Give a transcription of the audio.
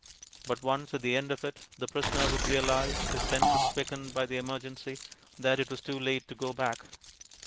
But, once at the end of it, the prisoner would realize, his senses quickened by the emergency, that it was too late to go back.